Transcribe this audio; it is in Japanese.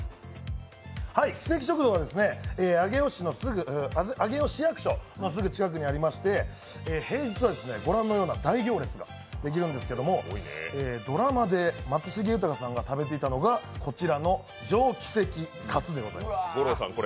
キセキ食堂は上尾市役所のすぐ近くにありまして平日はご覧のような大行列ができるんですけれども、ドラマで松重豊さんが食べていたのがこちらの上キセキカツ定食でございます。